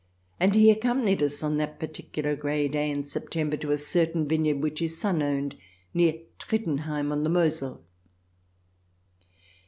And he accompanied us on that particular grey day in September to a certain vineyard which his son owned near Trittenheim on the Mosel.